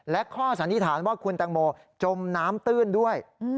และข้อสันนิษฐานว่าคุณแตงโมจมน้ำตื้นด้วย